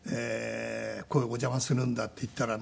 ここへお邪魔するんだって言ったらね